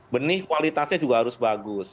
benih kualitasnya juga harus bagus